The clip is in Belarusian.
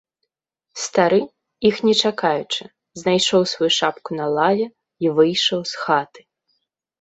Стары, іх не чакаючы, знайшоў сваю шапку на лаве й выйшаў з хаты.